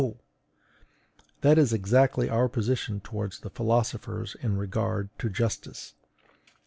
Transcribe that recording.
That is exactly our position toward the philosophers in regard to justice.